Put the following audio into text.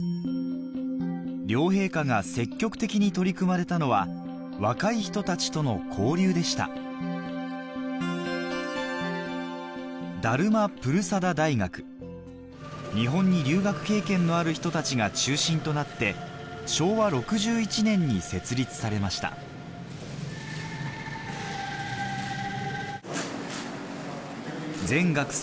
両陛下が積極的に取り組まれたのは若い人たちとの交流でした日本に留学経験のある人たちが中心となって昭和６１年に設立されました全学生